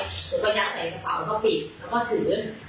หนูก็ยังใส่กระเป๋าแล้วก็ปิดแล้วก็ถือ